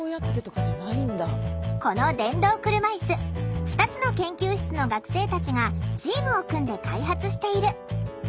この電動車いす２つの研究室の学生たちがチームを組んで開発している。